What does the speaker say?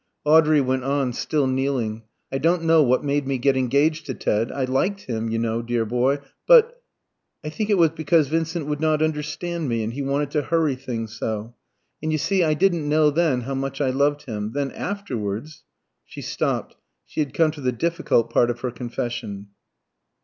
Audrey went on, still kneeling. "I don't know what made me get engaged to Ted, I liked him, you know, dear boy, but I think it was because Vincent would not understand me; and he wanted to hurry things so. And you see I didn't know then how much I loved him. Then afterwards " She stopped; she had come to the difficult part of her confession.